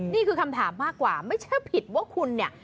นี่คือคำถามมากกว่าไม่ใช่ผิดว่าคุณเนี่ย